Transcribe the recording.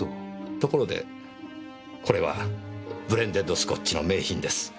ところでこれはブレンデッドスコッチの名品です。